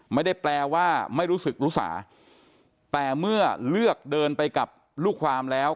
ไม่ได้แปลว่าไม่รู้สึกรู้สาแต่เมื่อเลือกเดินไปกับลูกความแล้ว